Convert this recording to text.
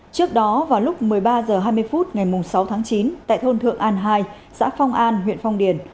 trước đó vào lúc một mươi ba h hai mươi phút ngày sáu tháng chín tại thôn thượng an hai xã phong an huyện phong điền